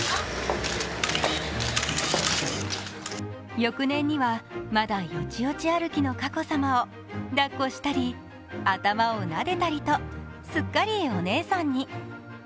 翌年には、まだよちよち歩きの佳子さまを抱っこしたり、頭をなでたりと、すっかりお姉さんに。